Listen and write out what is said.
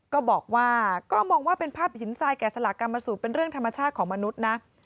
ก็บอกว่าก็มองว่าเป็นภาพหินทรายแก่สลักกรรมสูตรเป็นเรื่องธรรมชาติของมนุษย์นะ